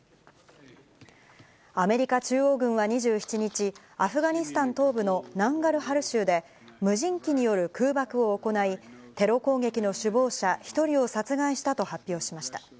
アメリカ中央軍は２７日、アフガニスタン東部のナンガルハル州で、無人機による空爆を行い、テロ攻撃の首謀者１人を殺害したと発表しました。